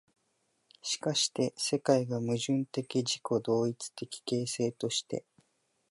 しかして世界が矛盾的自己同一的形成として、